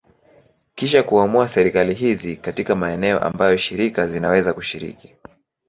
Kisha kuamua serikali hizi katika maeneo ambayo shirika zinaweza kushiriki.